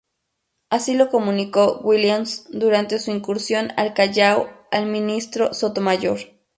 Así lo comunicó Williams durante su incursión al Callao al ministro Sotomayor.